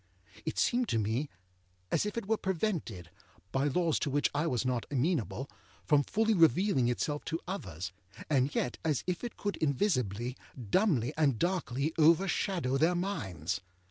It seemed to me as if it were prevented, by laws to which I was not amenable, from fully revealing itself to others, and yet as if it could invisibly, dumbly, and darkly overshadow their minds.